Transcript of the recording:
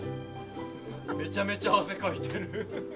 めちゃめちゃ汗かいてる。